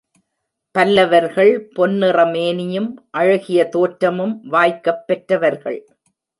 பல்லவர்கள் பொன்னிற மேனியும், அழகிய தோற்றமும் வாய்க்கப் பெற்றவர்கள்.